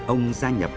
ông gia nhập